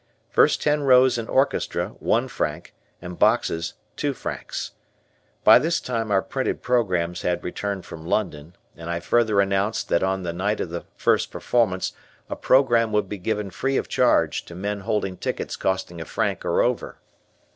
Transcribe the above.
First ten rows in orchestra one franc, and boxes two francs. By this time our printed programs had returned from London, and I further announced that on the night of the first performance a program would be given free of charge to men holding tickets costing a franc or over.